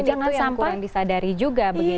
itu yang kurang disadari juga